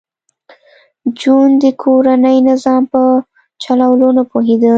جون د کورني نظام په چلولو نه پوهېده